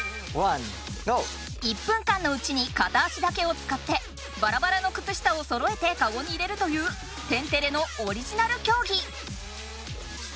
１分間のうちに片足だけをつかってバラバラのくつ下をそろえてカゴに入れるという「天てれ」のオリジナル競技！